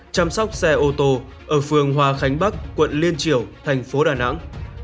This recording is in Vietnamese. chăm sóc xe ô tô ở phường hòa khánh bắc quận liên triều thành phố đà nẵng